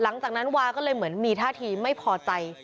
หลังจากนั้นวาก็เลยเหมือนมีท่าทีไม่พอใจ